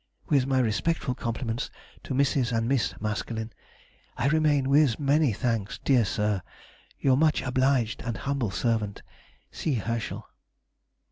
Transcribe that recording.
With my respectful compliments to Mrs. and Miss Maskelyne, I remain, with many thanks, Dear sir, Your much obliged and humble servant, C. HERSCHEL.